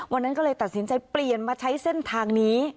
วันนั้นก็เลยตัดสินใจเปลี่ยนมาใช้เส้นทางนี้